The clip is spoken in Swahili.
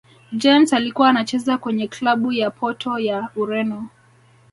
james alikuwa anacheza kwenye klabu ya porto ya ureno